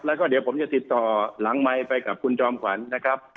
แล้วก็เดี๋ยวผมจะติดต่อหลังไมค์ไปกับคุณจอมขวัญนะครับ